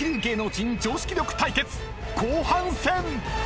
［後半戦！］